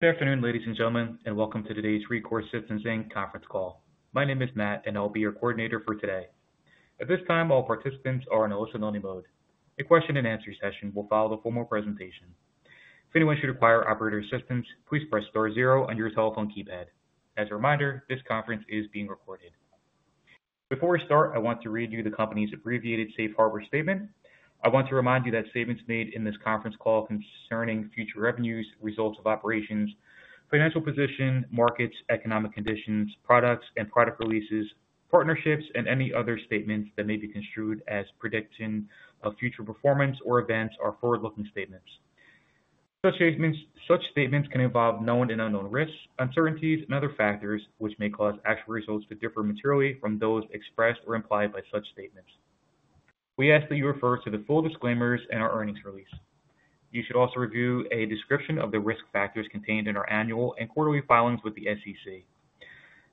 Good afternoon, ladies and gentlemen, and welcome to today's Rekor Systems conference call. My name is Matt, and I'll be your coordinator for today. At this time, all participants are in listen-only mode. A question-and-answer session will follow the formal presentation. If anyone should require operator assistance, please press star zero on your telephone keypad. As a reminder, this conference is being recorded. Before we start, I want to read you the company's abbreviated Safe Harbor Statement. I want to remind you that statements made in this conference call concerning future revenues, results of operations, financial position, markets, economic conditions, products and product releases, partnerships, and any other statements that may be construed as prediction of future performance or events are forward-looking statements. Such statements can involve known and unknown risks, uncertainties, and other factors which may cause actual results to differ materially from those expressed or implied by such statements. We ask that you refer to the full disclaimers in our earnings release. You should also review a description of the risk factors contained in our annual and quarterly filings with the SEC.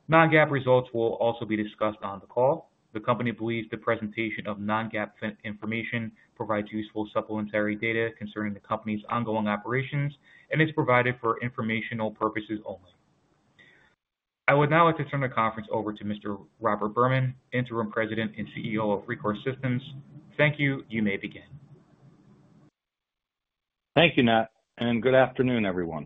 Non-GAAP results will also be discussed on the call. The company believes the presentation of non-GAAP information provides useful supplementary data concerning the company's ongoing operations and is provided for informational purposes only. I would now like to turn the conference over to Mr. Robert Berman, Interim President and CEO of Rekor Systems. Thank you. You may begin. Thank you, Matt, and good afternoon, everyone.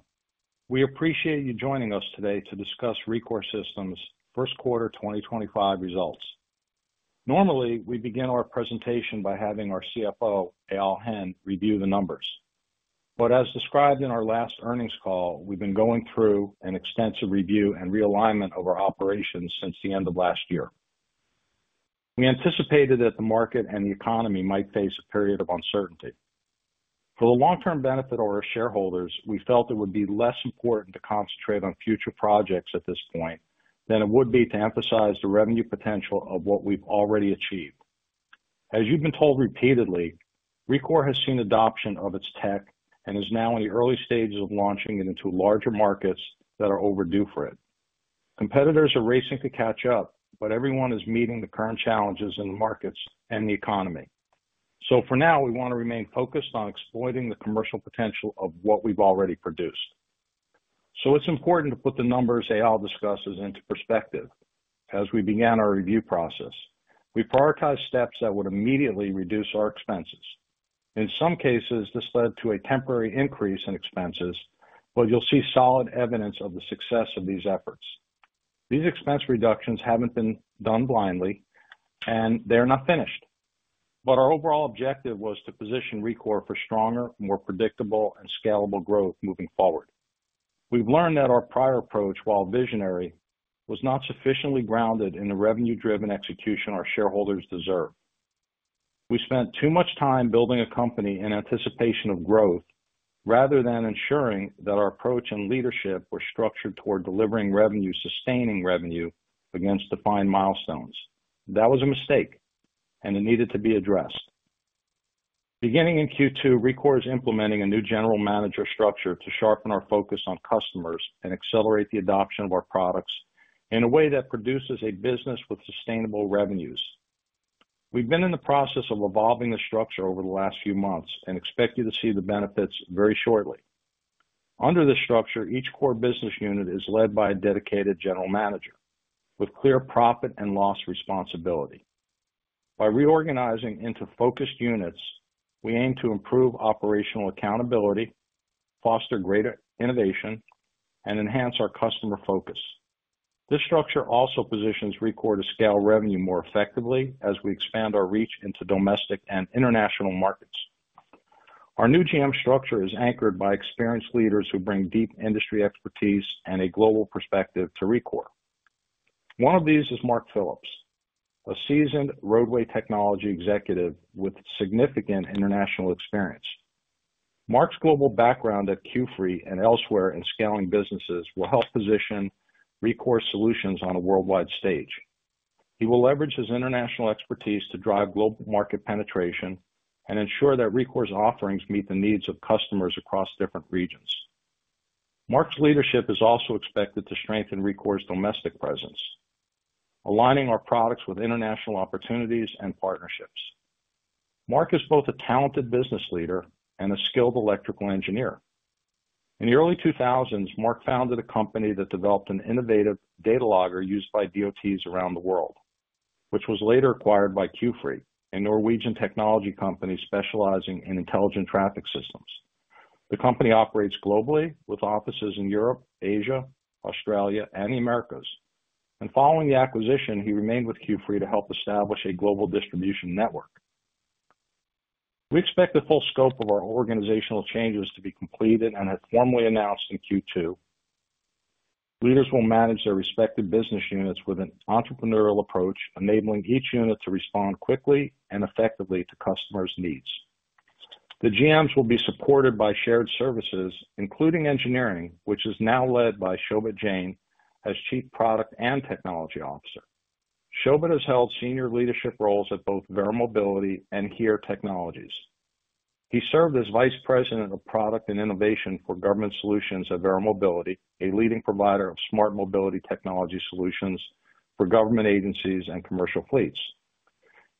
We appreciate you joining us today to discuss Rekor Systems' First Quarter 2025 Results. Normally, we begin our presentation by having our CFO, Eyal Hen, review the numbers. As described in our last earnings call, we've been going through an extensive review and realignment of our operations since the end of last year. We anticipated that the market and the economy might face a period of uncertainty. For the long-term benefit of our shareholders, we felt it would be less important to concentrate on future projects at this point than it would be to emphasize the revenue potential of what we've already achieved. As you've been told repeatedly, Rekor has seen adoption of its tech and is now in the early stages of launching it into larger markets that are overdue for it. Competitors are racing to catch up, but everyone is meeting the current challenges in the markets and the economy. For now, we want to remain focused on exploiting the commercial potential of what we've already produced. It's important to put the numbers Eyal discussed into perspective. As we began our review process, we prioritized steps that would immediately reduce our expenses. In some cases, this led to a temporary increase in expenses, but you'll see solid evidence of the success of these efforts. These expense reductions haven't been done blindly, and they're not finished. Our overall objective was to position Rekor for stronger, more predictable, and scalable growth moving forward. We've learned that our prior approach, while visionary, was not sufficiently grounded in the revenue-driven execution our shareholders deserve. We spent too much time building a company in anticipation of growth rather than ensuring that our approach and leadership were structured toward delivering revenue, sustaining revenue against defined milestones. That was a mistake, and it needed to be addressed. Beginning in Q2, Rekor is implementing a new general manager structure to sharpen our focus on customers and accelerate the adoption of our products in a way that produces a business with sustainable revenues. We've been in the process of evolving the structure over the last few months and expect you to see the benefits very shortly. Under this structure, each core business unit is led by a dedicated general manager with clear profit and loss responsibility. By reorganizing into focused units, we aim to improve operational accountability, foster greater innovation, and enhance our customer focus. This structure also positions Rekor to scale revenue more effectively as we expand our reach into domestic and international markets. Our new GM structure is anchored by experienced leaders who bring deep industry expertise and a global perspective to Rekor. One of these is Mark Phillips, a seasoned roadway technology executive with significant international experience. Mark's global background at Q-Free and elsewhere in scaling businesses will help position Rekor's solutions on a worldwide stage. He will leverage his international expertise to drive global market penetration and ensure that Rekor's offerings meet the needs of customers across different regions. Mark's leadership is also expected to strengthen Rekor's domestic presence, aligning our products with international opportunities and partnerships. Mark is both a talented business leader and a skilled electrical engineer. In the early 2000s, Mark founded a company that developed an innovative data logger used by DOTs around the world, which was later acquired by Q-Free, a Norwegian technology company specializing in intelligent traffic systems. The company operates globally with offices in Europe, Asia, Australia, and the Americas. Following the acquisition, he remained with Q-Free to help establish a global distribution network. We expect the full scope of our organizational changes to be completed and formally announced in Q2. Leaders will manage their respective business units with an entrepreneurial approach, enabling each unit to respond quickly and effectively to customers' needs. The GMs will be supported by shared services, including engineering, which is now led by Shobhit Jain as Chief Product and Technology Officer. Shobhit has held senior leadership roles at both Verra Mobility and HERE Technologies. He served as Vice President of Product and Innovation for Government Solutions at Verra Mobility, a leading provider of smart mobility technology solutions for government agencies and commercial fleets.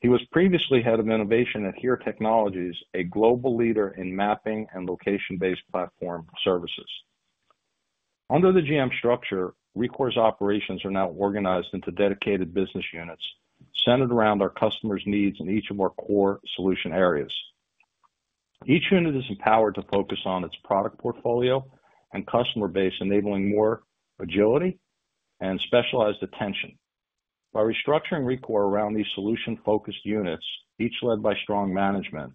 He was previously head of innovation at HERE Technologies, a global leader in mapping and location-based platform services. Under the GM structure, Rekor's operations are now organized into dedicated business units centered around our customers' needs in each of our core solution areas. Each unit is empowered to focus on its product portfolio and customer base, enabling more agility and specialized attention. By restructuring Rekor around these solution-focused units, each led by strong management,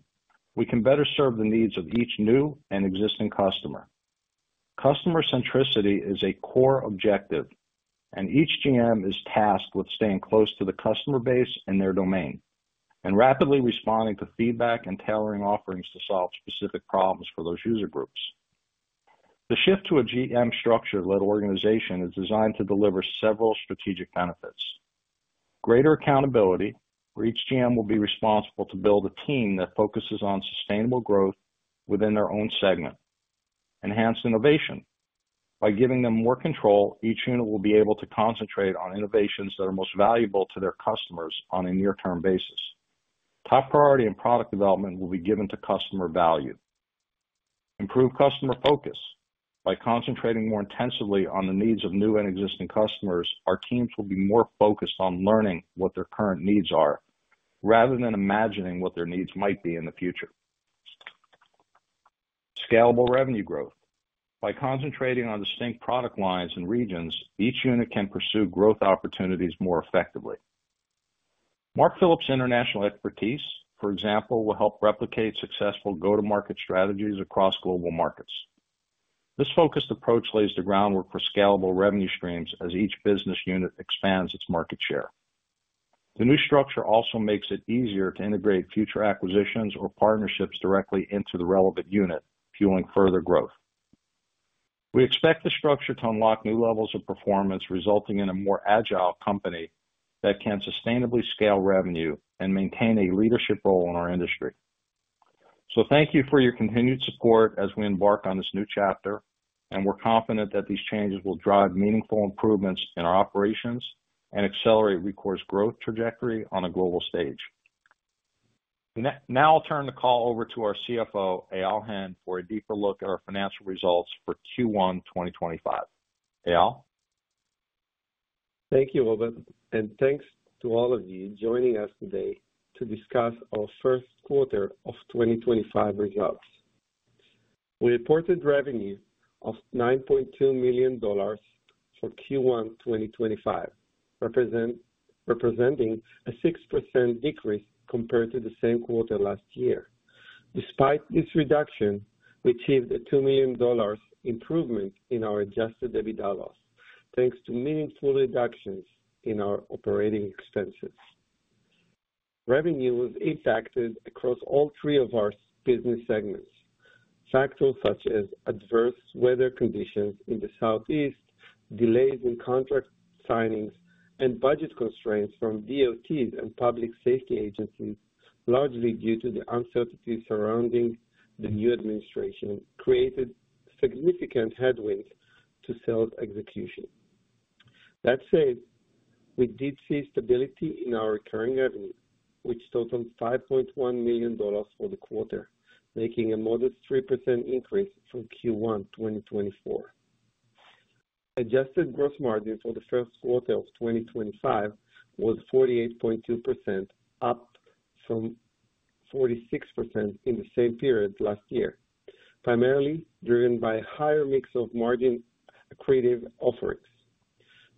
we can better serve the needs of each new and existing customer. Customer centricity is a core objective, and each GM is tasked with staying close to the customer base and their domain and rapidly responding to feedback and tailoring offerings to solve specific problems for those user groups. The shift to a GM-structured-led organization is designed to deliver several strategic benefits: greater accountability, where each GM will be responsible to build a team that focuses on sustainable growth within their own segment; enhanced innovation. By giving them more control, each unit will be able to concentrate on innovations that are most valuable to their customers on a near-term basis. Top priority in product development will be given to customer value. Improved customer focus. By concentrating more intensively on the needs of new and existing customers, our teams will be more focused on learning what their current needs are rather than imagining what their needs might be in the future. Scalable revenue growth. By concentrating on distinct product lines and regions, each unit can pursue growth opportunities more effectively. Mark Phillips' international expertise, for example, will help replicate successful go-to-market strategies across global markets. This focused approach lays the groundwork for scalable revenue streams as each business unit expands its market share. The new structure also makes it easier to integrate future acquisitions or partnerships directly into the relevant unit, fueling further growth. We expect the structure to unlock new levels of performance, resulting in a more agile company that can sustainably scale revenue and maintain a leadership role in our industry. Thank you for your continued support as we embark on this new chapter, and we're confident that these changes will drive meaningful improvements in our operations and accelerate Rekor's growth trajectory on a global stage. Now I'll turn the call over to our CFO, Eyal Hen, for a deeper look at our financial results for Q1 2025. Eyal? Thank you, Robert, and thanks to all of you joining us today to discuss our first quarter of 2025 results. We reported revenue of $9.2 million for Q1 2025, representing a 6% decrease compared to the same quarter last year. Despite this reduction, we achieved a $2 million improvement in our adjusted EBITDA loss, thanks to meaningful reductions in our operating expenses. Revenue was impacted across all three of our business segments. Factors such as adverse weather conditions in the Southeast, delays in contract signings, and budget constraints from DOTs and public safety agencies, largely due to the uncertainty surrounding the new administration, created significant headwinds to sales execution. That said, we did see stability in our recurring revenue, which totaled $5.1 million for the quarter, making a modest 3% increase from Q1 2024. Adjusted gross margin for the first quarter of 2025 was 48.2%, up from 46% in the same period last year, primarily driven by a higher mix of margin-creative offerings.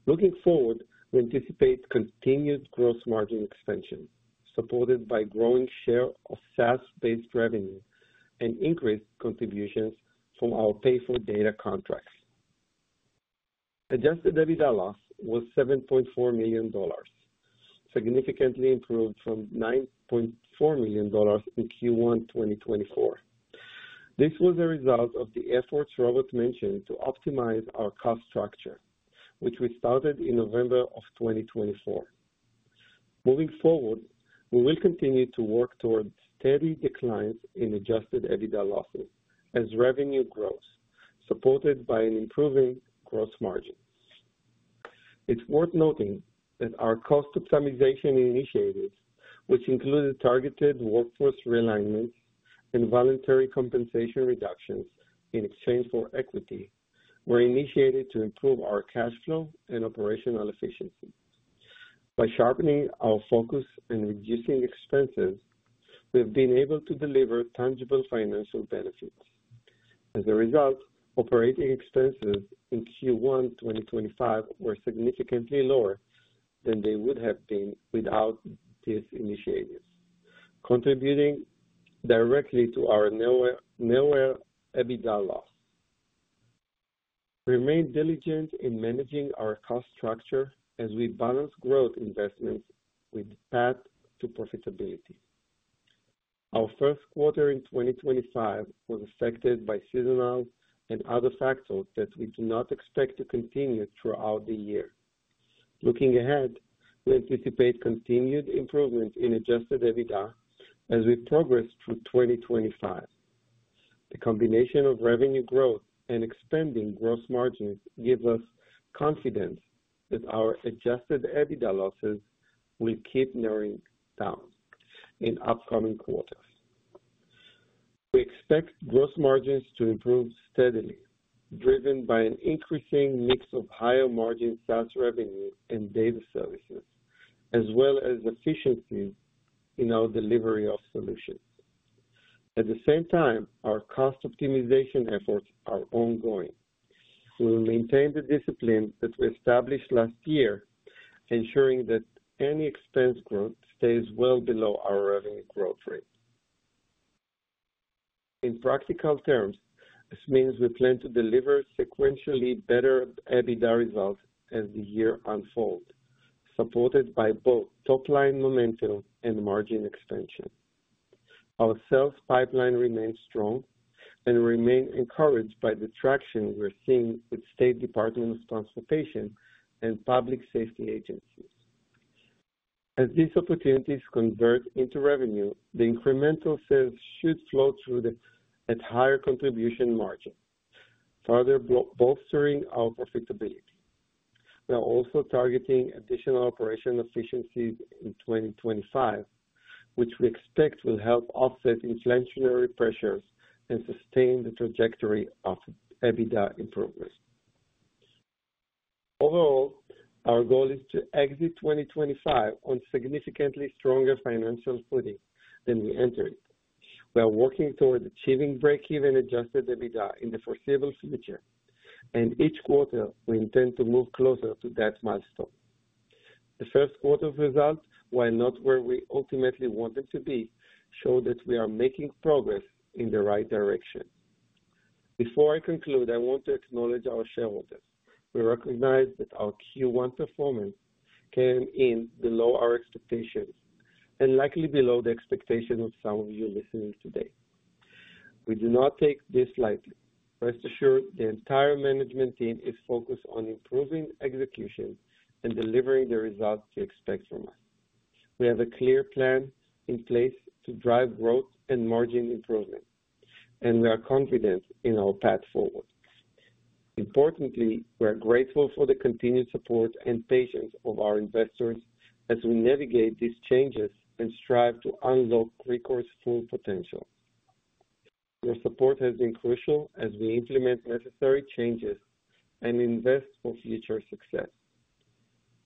Looking forward, we anticipate continued gross margin expansion, supported by a growing share of SaaS-based revenue and increased contributions from our pay-for-data contracts. Adjusted EBITDA loss was $7.4 million, significantly improved from $9.4 million in Q1 2024. This was a result of the efforts Robert mentioned to optimize our cost structure, which we started in November of 2024. Moving forward, we will continue to work toward steady declines in adjusted EBITDA losses as revenue grows, supported by an improving gross margin. It's worth noting that our cost optimization initiatives, which included targeted workforce realignments and voluntary compensation reductions in exchange for equity, were initiated to improve our cash flow and operational efficiency. By sharpening our focus and reducing expenses, we have been able to deliver tangible financial benefits. As a result, operating expenses in Q1 2025 were significantly lower than they would have been without these initiatives, contributing directly to our nowhere EBITDA loss. We remain diligent in managing our cost structure as we balance growth investments with path to profitability. Our first quarter in 2025 was affected by seasonal and other factors that we do not expect to continue throughout the year. Looking ahead, we anticipate continued improvements in adjusted EBITDA as we progress through 2025. The combination of revenue growth and expanding gross margins gives us confidence that our adjusted EBITDA losses will keep narrowing down in upcoming quarters. We expect gross margins to improve steadily, driven by an increasing mix of higher-margin SaaS revenue and data services, as well as efficiencies in our delivery of solutions. At the same time, our cost optimization efforts are ongoing. We will maintain the discipline that we established last year, ensuring that any expense growth stays well below our revenue growth rate. In practical terms, this means we plan to deliver sequentially better EBITDA results as the year unfolds, supported by both top-line momentum and margin expansion. Our sales pipeline remains strong and we remain encouraged by the traction we're seeing with state departments of transportation and public safety agencies. As these opportunities convert into revenue, the incremental sales should flow through at higher contribution margins, further bolstering our profitability. We are also targeting additional operational efficiencies in 2025, which we expect will help offset inflationary pressures and sustain the trajectory of EBITDA improvements. Overall, our goal is to exit 2025 on significantly stronger financial footing than we entered. We are working toward achieving break-even adjusted EBITDA in the foreseeable future, and each quarter, we intend to move closer to that milestone. The first quarter's results, while not where we ultimately want them to be, show that we are making progress in the right direction. Before I conclude, I want to acknowledge our shareholders. We recognize that our Q1 performance came in below our expectations and likely below the expectations of some of you listening today. We do not take this lightly. Rest assured, the entire management team is focused on improving execution and delivering the results you expect from us. We have a clear plan in place to drive growth and margin improvement, and we are confident in our path forward. Importantly, we are grateful for the continued support and patience of our investors as we navigate these changes and strive to unlock Rekor's full potential. Your support has been crucial as we implement necessary changes and invest for future success.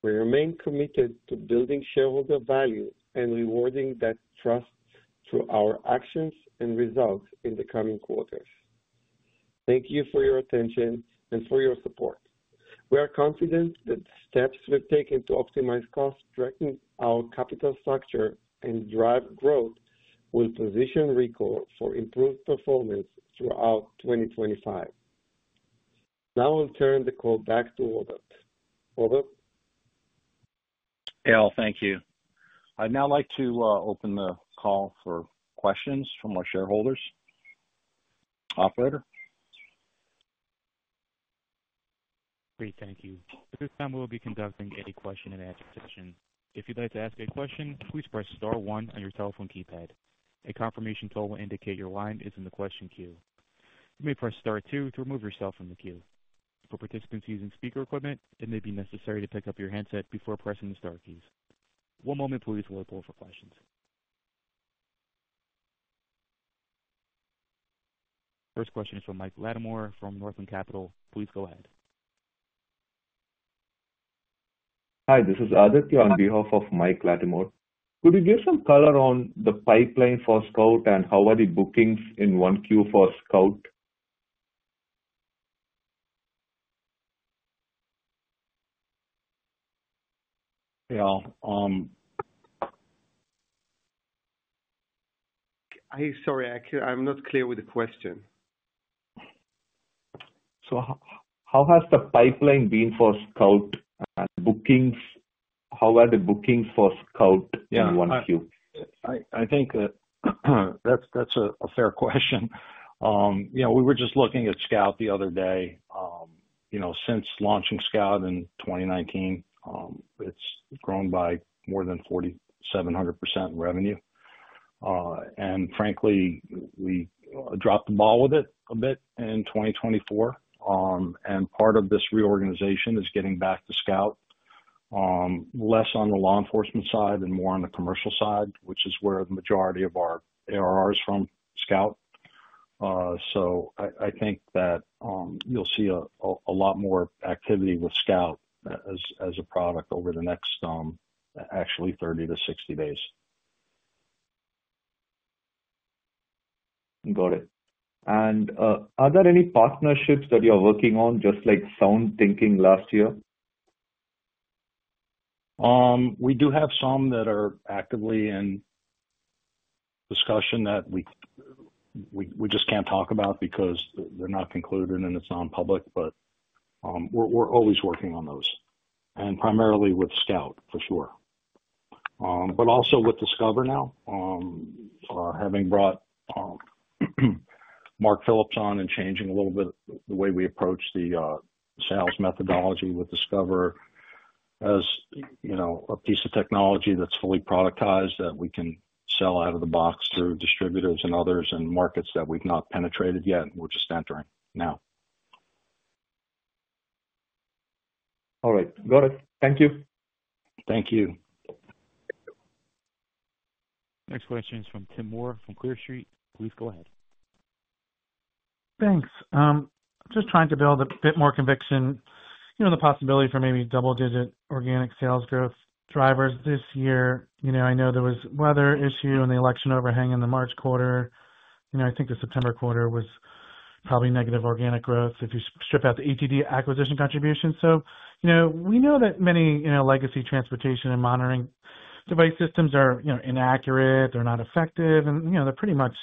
We remain committed to building shareholder value and rewarding that trust through our actions and results in the coming quarters. Thank you for your attention and for your support. We are confident that the steps we've taken to optimize costs, strengthen our capital structure, and drive growth will position Rekor for improved performance throughout 2025. Now I'll turn the call back to Robert. Robert? Thank you. I'd now like to open the call for questions from our shareholders. Operator? Great, thank you. At this time, we will be conducting a question-and-answer session. If you'd like to ask a question, please press star one on your telephone keypad. A confirmation code will indicate your line is in the question queue. You may press star two to remove yourself from the queue. For participants using speaker equipment, it may be necessary to pick up your handset before pressing the star keys. One moment, please, while we pull up for questions. First question is from Mike Latimore from Northland Capital. Please go ahead. Hi, this is Aditya on behalf of Mike Latimore. Could you give some color on the pipeline for Scout and how are the bookings in one queue for Scout? Yeah, sorry, I'm not clear with the question. How has the pipeline been for Scout and bookings? How are the bookings for Scout in one queue? Yeah, I think that's a fair question. Yeah, we were just looking at Scout the other day. Since launching Scout in 2019, it's grown by more than 4,700% in revenue. And frankly, we dropped the ball with it a bit in 2024. Part of this reorganization is getting back to Scout, less on the law enforcement side and more on the commercial side, which is where the majority of our ARR is from, Scout. I think that you'll see a lot more activity with Scout as a product over the next, actually, 30-60 days. Got it. Are there any partnerships that you're working on, just like SoundThinking last year? We do have some that are actively in discussion that we just can't talk about because they're not concluded and it's nonpublic, but we're always working on those, and primarily with Scout, for sure. Also with Discover now, having brought Mark Phillips on and changing a little bit the way we approach the sales methodology with Discover as a piece of technology that's fully productized that we can sell out of the box through distributors and others and markets that we've not penetrated yet. We're just entering now. All right. Got it. Thank you. Thank you. Next question is from Tim Moore from Clear Street. Please go ahead. Thanks. Just trying to build a bit more conviction in the possibility for maybe double-digit organic sales growth drivers this year. I know there was a weather issue and the election overhang in the March quarter. I think the September quarter was probably negative organic growth if you strip out the ETD acquisition contribution. We know that many legacy transportation and monitoring device systems are inaccurate. They're not effective, and they're pretty much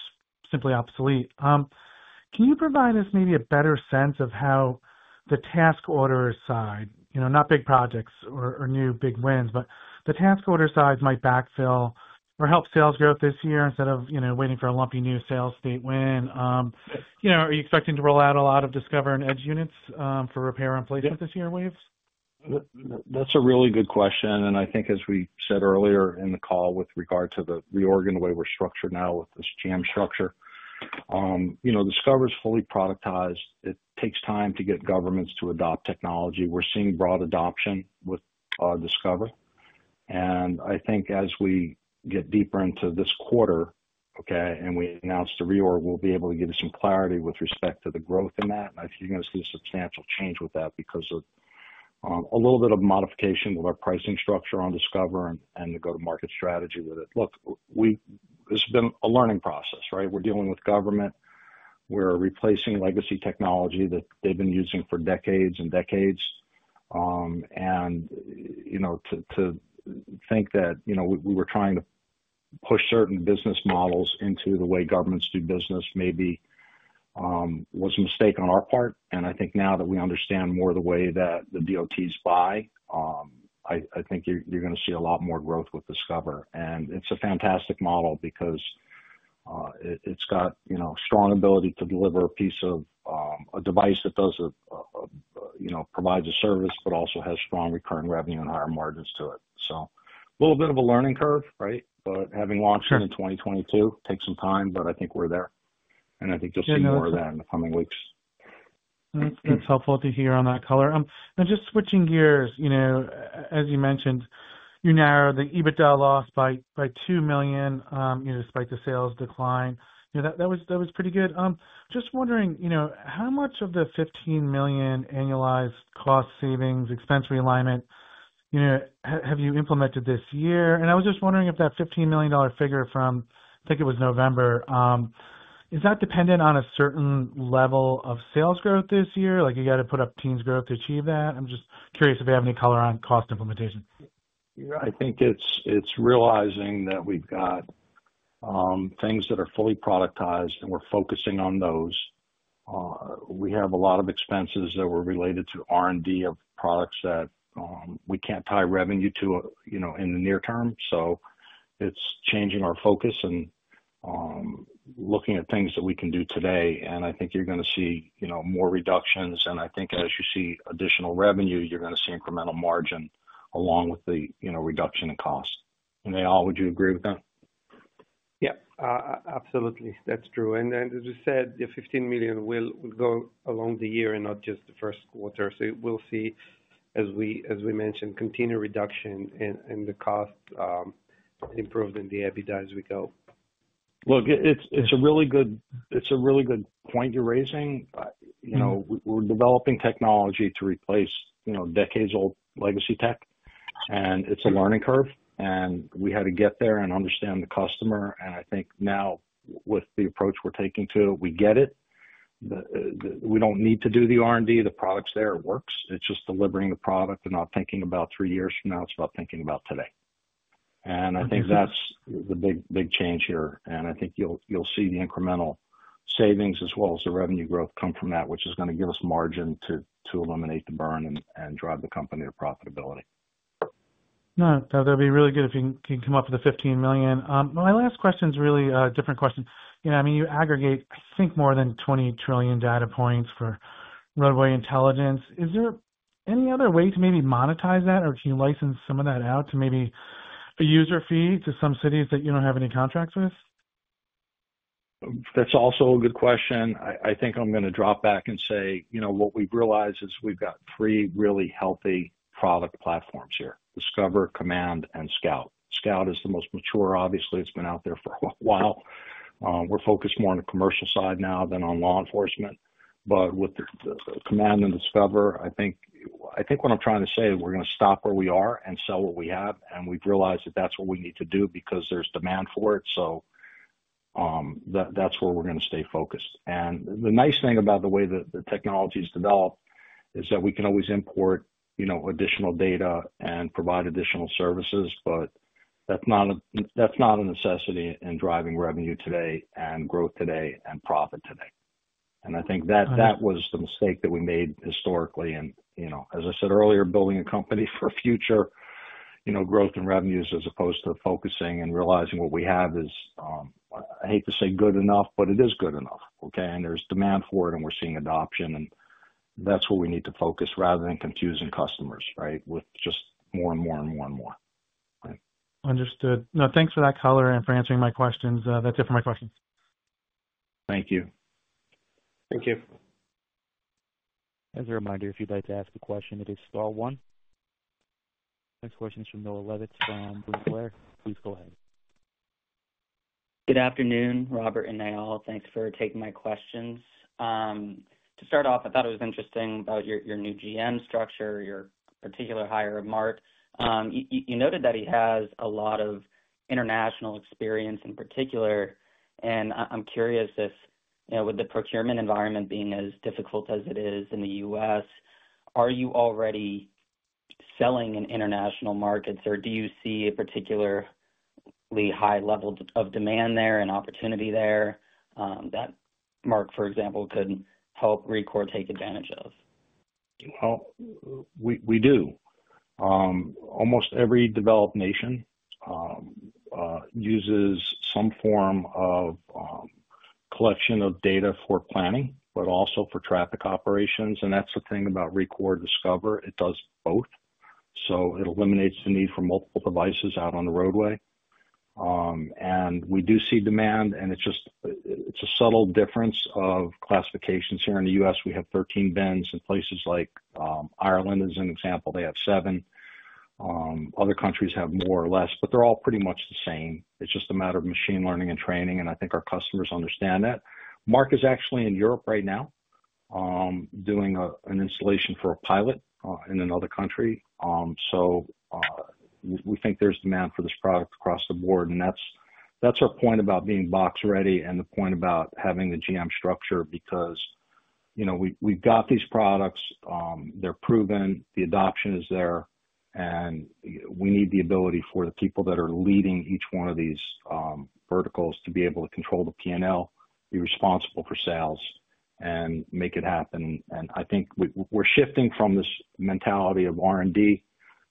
simply obsolete. Can you provide us maybe a better sense of how the task order side, not big projects or new big wins, but the task order side might backfill or help sales growth this year instead of waiting for a lumpy new sales state win? Are you expecting to roll out a lot of Discover and Edge units for repair and replacement this year, Waves? That's a really good question. I think, as we said earlier in the call with regard to the reorganization, the way we're structured now with this GM structure, Discover is fully productized. It takes time to get governments to adopt technology. We're seeing broad adoption with Discover. I think as we get deeper into this quarter, okay, and we announce the reorg, we'll be able to give you some clarity with respect to the growth in that. I think you're going to see a substantial change with that because of a little bit of modification with our pricing structure on Discover and the go-to-market strategy with it. Look, it's been a learning process, right? We're dealing with government. We're replacing legacy technology that they've been using for decades and decades. To think that we were trying to push certain business models into the way governments do business maybe was a mistake on our part. I think now that we understand more the way that the DOTs buy, I think you're going to see a lot more growth with Discover. It's a fantastic model because it's got a strong ability to deliver a piece of a device that provides a service, but also has strong recurring revenue and higher margins to it. A little bit of a learning curve, right? Having launched in 2022, it takes some time, but I think we're there. I think you'll see more of that in the coming weeks. That's helpful to hear on that color. Just switching gears, as you mentioned, you narrowed the EBITDA loss by $2 million despite the sales decline. That was pretty good. Just wondering, how much of the $15 million annualized cost savings, expense realignment, have you implemented this year? I was just wondering if that $15 million figure from, I think it was November, is that dependent on a certain level of sales growth this year? You got to put up teens growth to achieve that? I'm just curious if you have any color on cost implementation. I think it's realizing that we've got things that are fully productized, and we're focusing on those. We have a lot of expenses that were related to R&D of products that we can't tie revenue to in the near term. It is changing our focus and looking at things that we can do today. I think you're going to see more reductions. I think as you see additional revenue, you're going to see incremental margin along with the reduction in cost. Eyal, would you agree with that? Yeah, absolutely. That's true. As you said, the $15 million will go along the year and not just the first quarter. We'll see, as we mentioned, continued reduction in the cost and improvement in the EBITDA as we go. Look, it's a really good point you're raising. We're developing technology to replace decades-old legacy tech, and it's a learning curve. We had to get there and understand the customer. I think now, with the approach we're taking to it, we get it. We don't need to do the R&D. The product's there. It works. It's just delivering the product and not thinking about three years from now. It's about thinking about today. I think that's the big change here. I think you'll see the incremental savings as well as the revenue growth come from that, which is going to give us margin to eliminate the burn and drive the company to profitability. No, that'd be really good if you can come up with the $15 million. My last question is really a different question. I mean, you aggregate, I think, more than 20 trillion data points for roadway intelligence. Is there any other way to maybe monetize that, or can you license some of that out to maybe a user fee to some cities that you don't have any contracts with? That's also a good question. I think I'm going to drop back and say what we've realized is we've got three really healthy product platforms here: Discover, Command, and Scout. Scout is the most mature, obviously. It's been out there for a while. We're focused more on the commercial side now than on law enforcement. With the Command and Discover, I think what I'm trying to say, we're going to stop where we are and sell what we have. We've realized that that's what we need to do because there's demand for it. That's where we're going to stay focused. The nice thing about the way that the technology is developed is that we can always import additional data and provide additional services, but that's not a necessity in driving revenue today and growth today and profit today. I think that was the mistake that we made historically. As I said earlier, building a company for future growth and revenues as opposed to focusing and realizing what we have is, I hate to say good enough, but it is good enough, okay? There is demand for it, and we are seeing adoption. That is what we need to focus on rather than confusing customers with just more and more and more and more. Understood. No, thanks for that color and for answering my questions. That's it for my questions. Thank you. Thank you. As a reminder, if you'd like to ask a question, it is star one. Next question is from Noah Levitz from William Blair. Please go ahead. Good afternoon, Robert and Eyal. Thanks for taking my questions. To start off, I thought it was interesting about your new GM structure, your particular hire of Mark. You noted that he has a lot of international experience in particular. I am curious, with the procurement environment being as difficult as it is in the U.S., are you already selling in international markets, or do you see a particularly high level of demand there and opportunity there that Mark, for example, could help Rekor take advantage of? Almost every developed nation uses some form of collection of data for planning, but also for traffic operations. That's the thing about Rekor Discover. It does both. It eliminates the need for multiple devices out on the roadway. We do see demand, and it's a subtle difference of classifications here in the U.S. We have 13 bins. In places like Ireland, as an example, they have seven. Other countries have more or less, but they're all pretty much the same. It's just a matter of machine learning and training, and I think our customers understand that. Mark is actually in Europe right now doing an installation for a pilot in another country. We think there's demand for this product across the board. That's our point about being box-ready and the point about having the GM structure because we've got these products. They're proven. The adoption is there. We need the ability for the people that are leading each one of these verticals to be able to control the P&L, be responsible for sales, and make it happen. I think we're shifting from this mentality of R&D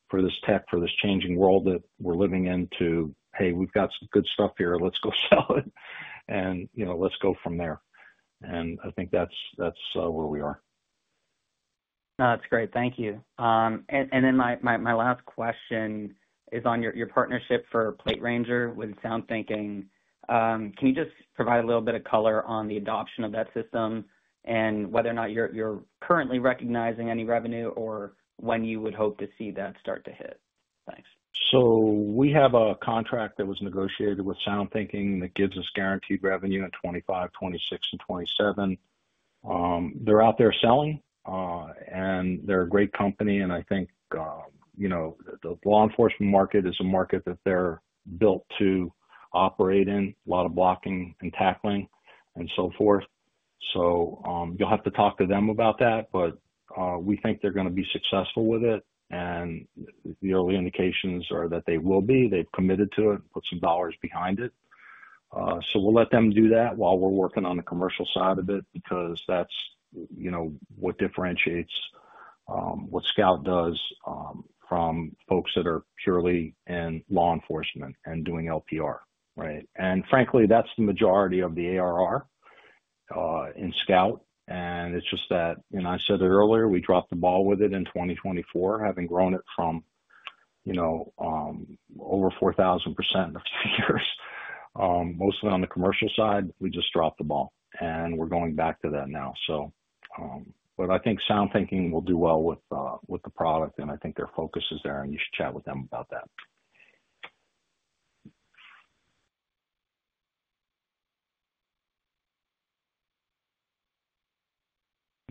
for this tech, for this changing world that we're living in to, "Hey, we've got some good stuff here. Let's go sell it." Let's go from there. I think that's where we are. No, that's great. Thank you. My last question is on your partnership for PlateRanger with SoundThinking. Can you just provide a little bit of color on the adoption of that system and whether or not you're currently recognizing any revenue or when you would hope to see that start to hit? Thanks. We have a contract that was negotiated with SoundThinking that gives us guaranteed revenue in 2025, 2026, and 2027. They're out there selling, and they're a great company. I think the law enforcement market is a market that they're built to operate in, a lot of blocking and tackling and so forth. You'll have to talk to them about that, but we think they're going to be successful with it. The early indications are that they will be. They've committed to it and put some dollars behind it. We'll let them do that while we're working on the commercial side of it because that's what differentiates what Scout does from folks that are purely in law enforcement and doing LPR, right? Frankly, that's the majority of the ARR in Scout. It is just that, and I said it earlier, we dropped the ball with it in 2024, having grown it from over 4,000% in a few years, mostly on the commercial side. We just dropped the ball, and we are going back to that now. I think SoundThinking will do well with the product, and I think their focus is there, and you should chat with them about that.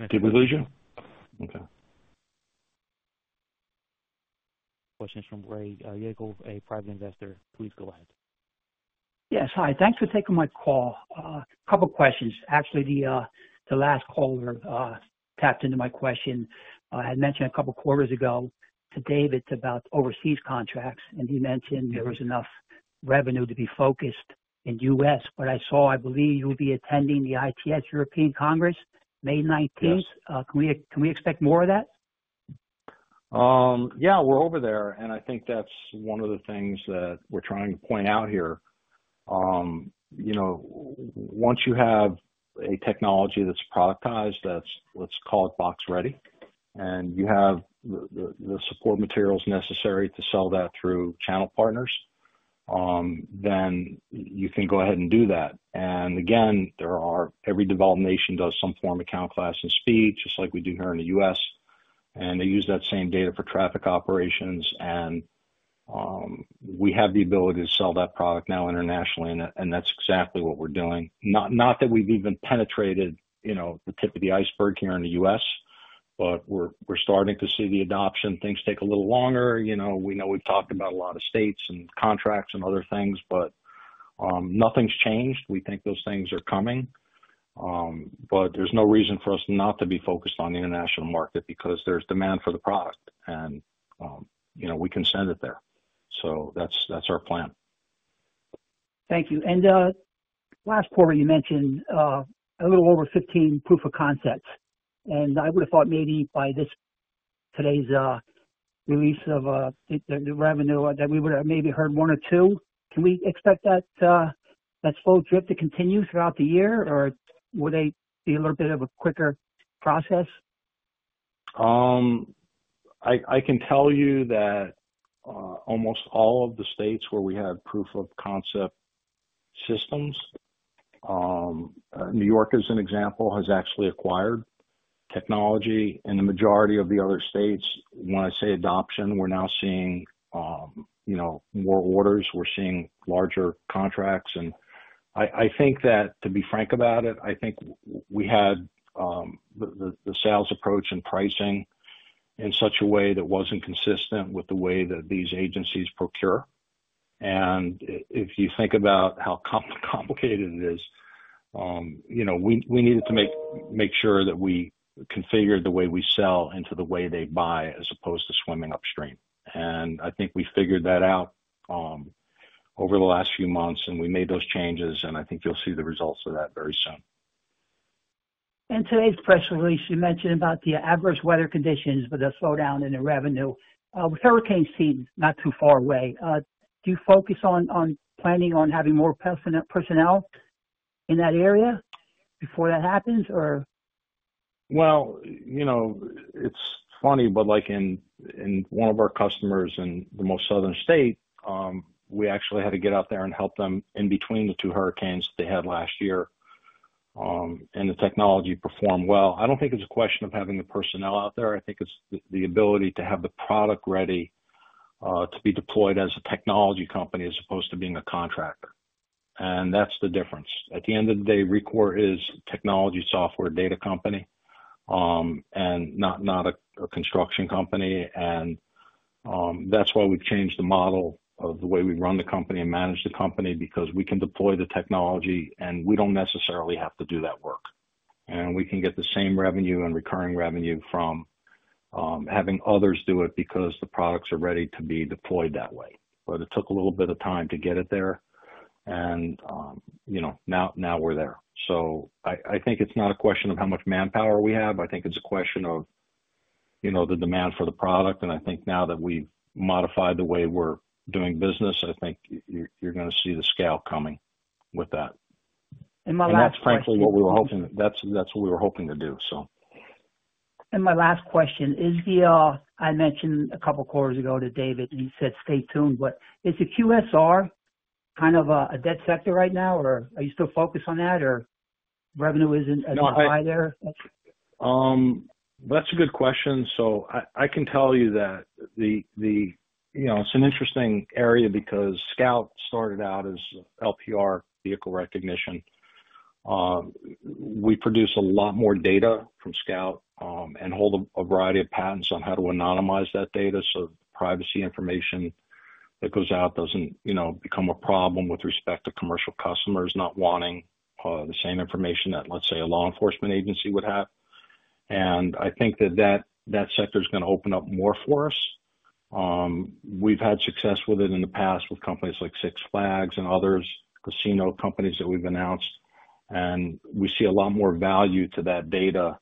Did we lose you? Okay. Questions from Ray Yagul, a private investor. Please go ahead. Yes. Hi. Thanks for taking my call. A couple of questions. Actually, the last caller tapped into my question. I had mentioned a couple of quarters ago to David about overseas contracts, and he mentioned there was enough revenue to be focused in the U.S.. I saw, I believe you'll be attending the ITS European Congress May 19th. Can we expect more of that? Yeah, we're over there. I think that's one of the things that we're trying to point out here. Once you have a technology that's productized, let's call it box-ready, and you have the support materials necessary to sell that through channel partners, you can go ahead and do that. Again, every developed nation does some form of account class and speed, just like we do here in the U.S., and they use that same data for traffic operations. We have the ability to sell that product now internationally, and that's exactly what we're doing. Not that we've even penetrated the tip of the iceberg here in the U.S., but we're starting to see the adoption. Things take a little longer. We know we've talked about a lot of states and contracts and other things, but nothing's changed. We think those things are coming. There is no reason for us not to be focused on the international market because there is demand for the product, and we can send it there. That is our plan. Thank you. Last quarter, you mentioned a little over 15 proof of concepts. I would have thought maybe by today's release of the revenue that we would have maybe heard one or two. Can we expect that slow drip to continue throughout the year, or will there be a little bit of a quicker process? I can tell you that almost all of the states where we have proof of concept systems, New York as an example, has actually acquired technology. The majority of the other states, when I say adoption, we're now seeing more orders. We're seeing larger contracts. I think that, to be frank about it, I think we had the sales approach and pricing in such a way that was not consistent with the way that these agencies procure. If you think about how complicated it is, we needed to make sure that we configured the way we sell into the way they buy as opposed to swimming upstream. I think we figured that out over the last few months, and we made those changes, and I think you'll see the results of that very soon. In today's press release, you mentioned about the adverse weather conditions with a slowdown in the revenue. With hurricane season not too far away, do you focus on planning on having more personnel in that area before that happens, or? In one of our customers in the most southern state, we actually had to get out there and help them in between the two hurricanes they had last year, and the technology performed well. I do not think it is a question of having the personnel out there. I think it is the ability to have the product ready to be deployed as a technology company as opposed to being a contractor. That is the difference. At the end of the day, Rekor is a technology software data company and not a construction company. That is why we have changed the model of the way we run the company and manage the company because we can deploy the technology, and we do not necessarily have to do that work. We can get the same revenue and recurring revenue from having others do it because the products are ready to be deployed that way. It took a little bit of time to get it there, and now we're there. I think it's not a question of how much manpower we have. I think it's a question of the demand for the product. I think now that we've modified the way we're doing business, I think you're going to see the scale coming with that. My last question. That's frankly what we were hoping to do, so. My last question is, I mentioned a couple of quarters ago to David, and he said, "Stay tuned." Is the QSR kind of a dead sector right now, or are you still focused on that, or revenue isn't as high there? That's a good question. I can tell you that it's an interesting area because Scout started out as LPR, vehicle recognition. We produce a lot more data from Scout and hold a variety of patents on how to anonymize that data so privacy information that goes out doesn't become a problem with respect to commercial customers not wanting the same information that, let's say, a law enforcement agency would have. I think that that sector is going to open up more for us. We've had success with it in the past with companies like Six Flags and others, casino companies that we've announced. We see a lot more value to that data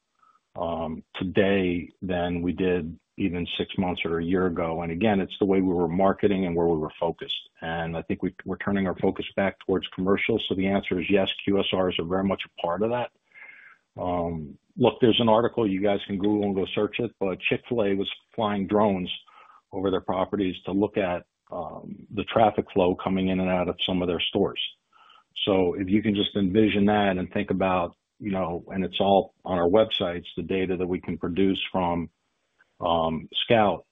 today than we did even six months or a year ago. It's the way we were marketing and where we were focused. I think we're turning our focus back towards commercial. Yes, QSRs are very much a part of that. Look, there's an article. You guys can Google and go search it, but Chick-fil-A was flying drones over their properties to look at the traffic flow coming in and out of some of their stores. If you can just envision that and think about, and it's all on our websites, the data that we can produce from Scout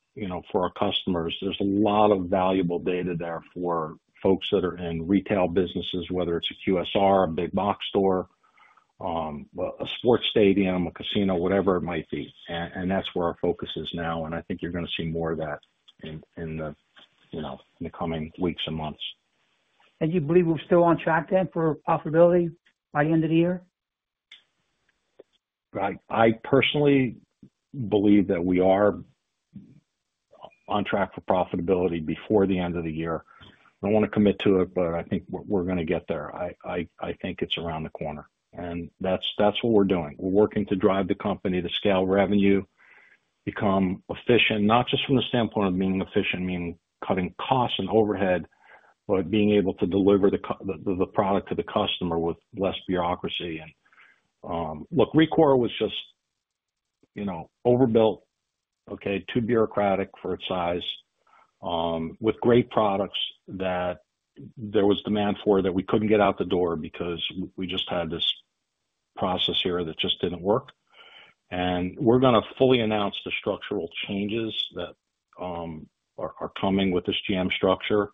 for our customers, there's a lot of valuable data there for folks that are in retail businesses, whether it's a QSR, a big box store, a sports stadium, a casino, whatever it might be. That's where our focus is now. I think you're going to see more of that in the coming weeks and months. You believe we're still on track then for profitability by the end of the year? I personally believe that we are on track for profitability before the end of the year. I don't want to commit to it, but I think we're going to get there. I think it's around the corner. That's what we're doing. We're working to drive the company to scale revenue, become efficient, not just from the standpoint of being efficient, meaning cutting costs and overhead, but being able to deliver the product to the customer with less bureaucracy. Look, Rekor was just overbuilt, okay, too bureaucratic for its size, with great products that there was demand for that we couldn't get out the door because we just had this process here that just didn't work. We're going to fully announce the structural changes that are coming with this GM structure.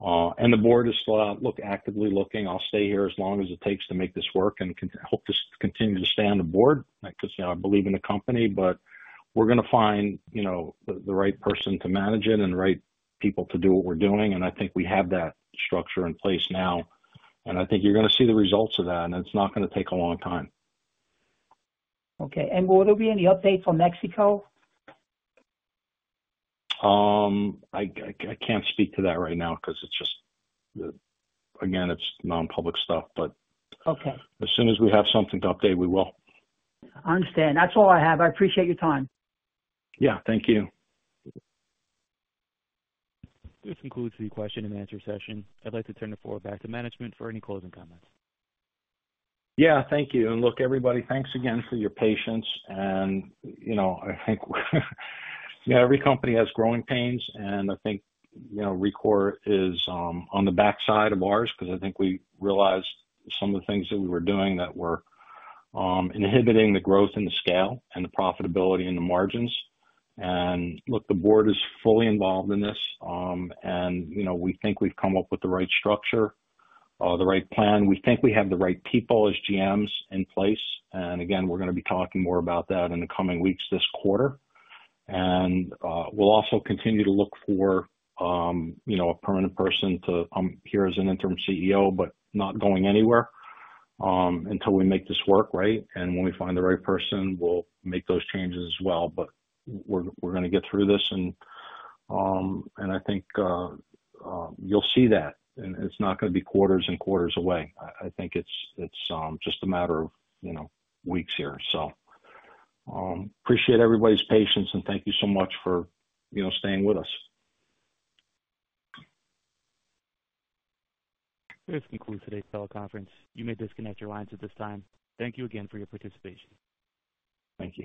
The board is still actively looking. I'll stay here as long as it takes to make this work and help this continue to stay on the board. I believe in the company, but we're going to find the right person to manage it and the right people to do what we're doing. I think we have that structure in place now. I think you're going to see the results of that, and it's not going to take a long time. Okay. Will there be any updates from Mexico? I can't speak to that right now because it's just, again, it's non-public stuff, but as soon as we have something to update, we will. I understand. That's all I have. I appreciate your time. Yeah. Thank you. This concludes the question and answer session. I'd like to turn the floor back to management for any closing comments. Yeah. Thank you. Look, everybody, thanks again for your patience. I think every company has growing pains, and I think Rekor is on the backside of ours because I think we realized some of the things that we were doing that were inhibiting the growth and the scale and the profitability and the margins. Look, the board is fully involved in this, and we think we've come up with the right structure, the right plan. We think we have the right people as GMs in place. Again, we're going to be talking more about that in the coming weeks, this quarter. We'll also continue to look for a permanent person to come here as an interim CEO, but not going anywhere until we make this work, right? When we find the right person, we'll make those changes as well. We're going to get through this, and I think you'll see that. It's not going to be quarters and quarters away. I think it's just a matter of weeks here. Appreciate everybody's patience, and thank you so much for staying with us. This concludes today's teleconference. You may disconnect your lines at this time. Thank you again for your participation. Thank you.